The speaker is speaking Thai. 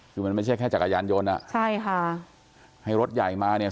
คือมันไม่ใช่แค่จักรยานยนต์อ่ะใช่ค่ะให้รถใหญ่มาเนี่ย